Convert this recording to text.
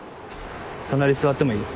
隣座ってもいい？